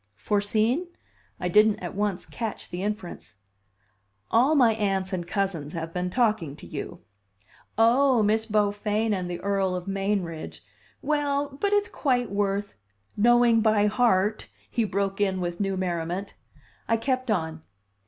"Foreseen ?" I didn't at once catch the inference. "All my aunts and cousins have been talking to you." "Oh, Miss Beaufain and the Earl of Mainridge! Well, but it's quite worth " "Knowing by heart!" he broke in with new merriment. I kept on.